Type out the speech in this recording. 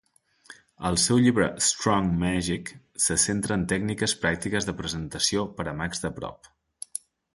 El seu llibre "Strong Magic" se centra en tècniques pràctiques de presentació per a mags de prop.